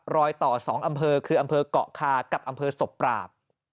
รอยต่อ๒อำเภอคืออำเภอกเกาะคากับอำเภอศพปราบ